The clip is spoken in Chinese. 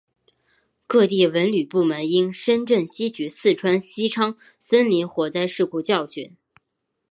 各地文旅部门应深刻吸取四川西昌森林火灾事故教训